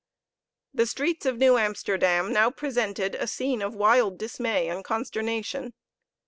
The streets of New Amsterdam now presented a scene of wild dismay and consternation.